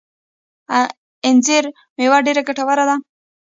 د انځر مېوه ډیره ګټوره ده